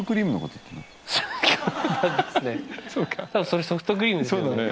それソフトクリームですよね。